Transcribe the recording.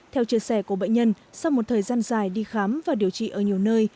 theo chia sẻ của bệnh nhân sau một thời gian dài đi khám và điều trị ở nhiều nơi